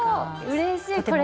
うれしいこれ。